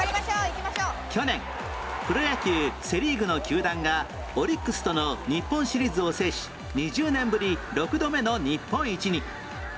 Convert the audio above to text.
去年プロ野球セ・リーグの球団がオリックスとの日本シリーズを制し２０年ぶり６度目の日本一に